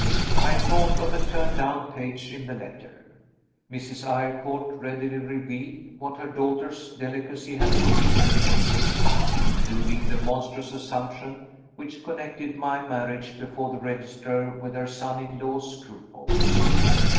I thought of the turned down page in the letter. Mrs. Eyrecourt readily revealed what her daughter's delicacy had forbidden me to read including the monstrous assumption which connected my marriage before the registrar with her son in law's scruples.